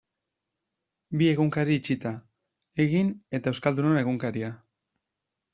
Bi egunkari itxita, Egin eta Euskaldunon Egunkaria.